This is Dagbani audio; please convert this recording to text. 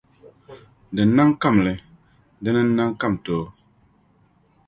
Din nam kamli, dina n-nam kamtoo.